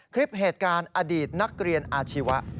คลิปเหตุการณ์อดีตนักเรียนอาชีวะ